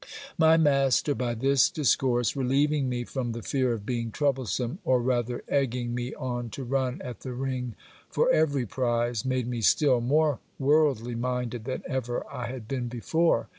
My master, by this discourse, relieving me from the fear of being troublesome, or rather egging me on to run at the ring for every prize, made me still more worldly minded than ever I had been before.